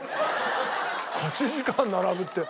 ８時間並ぶって。